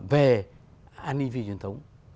để an ninh phi truyền thống